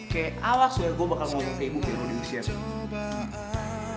kayak awas gue bakal ngomong ke ibu ke ibu di musim